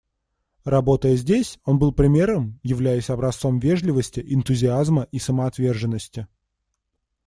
Работая здесь, он был примером, являясь образцом вежливости, энтузиазма и самоотверженности.